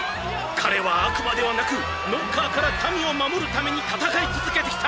彼は悪魔ではなくノッカーから民を守るために戦い続けてきた聖戦士である！！」